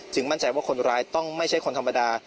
มั่นใจว่าคนร้ายต้องไม่ใช่คนธรรมดา